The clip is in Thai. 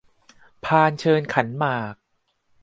พานเชิญขันหมาก